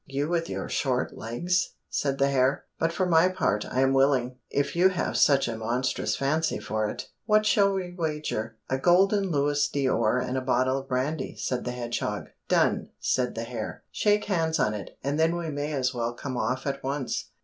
You with your short legs!" said the hare, "but for my part I am willing, if you have such a monstrous fancy for it. What shall we wager?" "A golden louis d'or and a bottle of brandy," said the hedgehog. "Done," said the hare. "Shake hands on it, and then we may as well come off at once."